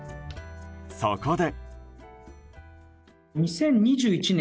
そこで。